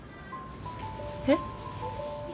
えっ？